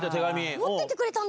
持っててくれたんだ。